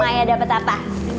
maya dapet apa